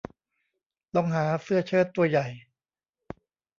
ลองหาเสื้อเชิ้ตตัวใหญ่